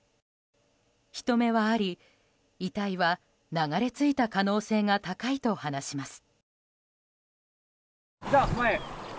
人目はあり遺体は流れ着いた可能性が高いと話します。